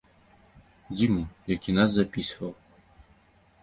Дзіму, які нас запісваў.